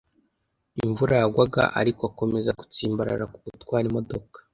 Imvura yagwaga, ariko akomeza gutsimbarara ku gutwara imodoka.